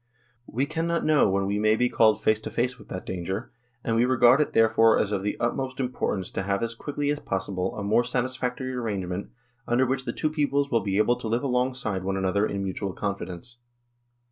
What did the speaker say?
We cannot know when we may be called face to face with that danger, and we regard it therefore as of the utmost importance to have as quickly as possible a more satisfactory arrangement under which the two peoples will be able to live alongside one another in mutual confidence.